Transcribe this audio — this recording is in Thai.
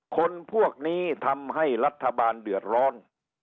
คนพวกนี้ทำให้รัฐบาลเดือดร้อน